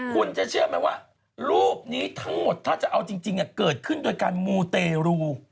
คุณจะเชื่อไหมว่ารูปนี้ทั้งหมดถ้าจะเอาจริงเกิดขึ้นโดยการมูเตรู